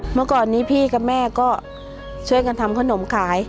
เมื่อก่อนนี้พี่กับแม่ก็ช่วยกันทำขนมขาย